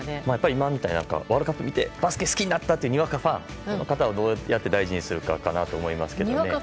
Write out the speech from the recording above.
今みたいなワールドカップを見てバスケを好きになったにわかファンの方を、どうやって大事にするかだと思います。